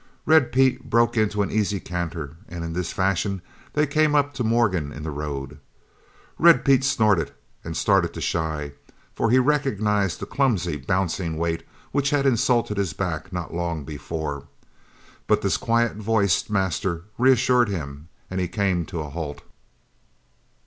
Red Pete broke into an easy canter and in this fashion they came up to Morgan in the road. Red Pete snorted and started to shy, for he recognized the clumsy, bouncing weight which had insulted his back not long before; but this quiet voiced master reassured him, and he came to a halt.